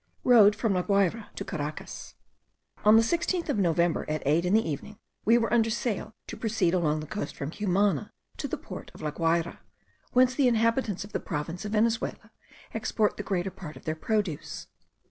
ROAD FROM LA GUAYRA TO CARACAS. On the 16th of November, at eight in the evening, we were under sail to proceed along the coast from Cumana to the port of La Guayra, whence the inhabitants of the province of Venezuela export the greater part of their produce.